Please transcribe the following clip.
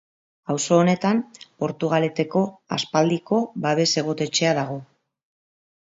Auzo honetan Portugaleteko Aspaldiko babes-egotetxea dago.